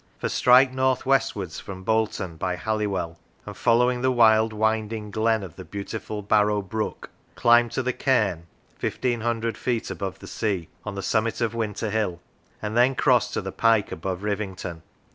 For strike north westwards from Bolton by Halliwell, and follow ing the wild winding glen of the beautiful Barrow brook, climb to the cairn, fifteen hundred feet above the sea, on the summit of Winter Hill, and then cross to the Pike above Rivington.